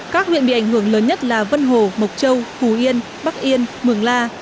các huyện bị ảnh hưởng lớn nhất là vân hồ mộc châu phú yên bắc yên mường la